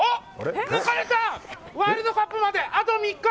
ワールドカップまであと３日！